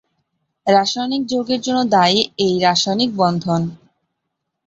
রাসায়নিক যৌগের জন্য দায়ী এই রাসায়নিক বন্ধন।